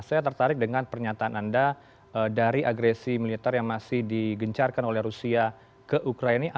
saya tertarik dengan pernyataan anda dari agresi militer yang masih digencarkan oleh rusia ke ukraina